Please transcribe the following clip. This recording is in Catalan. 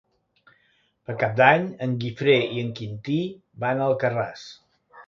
Per Cap d'Any en Guifré i en Quintí van a Alcarràs.